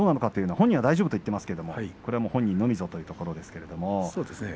本人は大丈夫と言っていますがこれは本人のみぞというところですが。